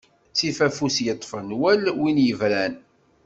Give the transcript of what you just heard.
Ttif afus yeṭṭfen wal win yebran.